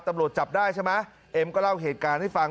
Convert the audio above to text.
ตำรวจจับได้ใช่ไหมเอ็มก็เล่าเหตุการณ์ให้ฟัง